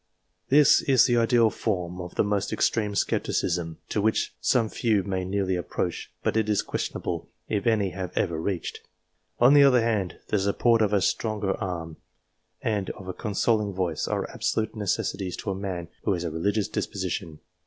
This is the ideal form of the most extreme scepticism, to which some few may nearly approach, but it is question able if any have ever reached. On the other hand, the support of a stronger arm, and of a consoling voice, are absolute necessities to a man who has a religious dispo sition.